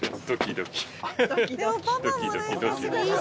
ドキドキドキドキ。